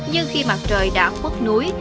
nhưng khi mặt trời đã khuất núi